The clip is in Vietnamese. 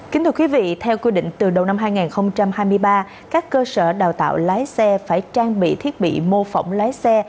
kính thưa quý vị theo quy định từ đầu năm hai nghìn hai mươi ba các cơ sở đào tạo lái xe phải trang bị thiết bị mô phỏng lái xe